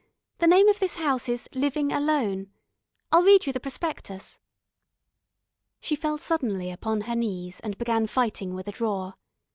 The name of this house is Living Alone. I'll read you the prospectus." She fell suddenly upon her knees and began fighting with a drawer.